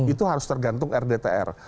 itu harus tergantung rdtr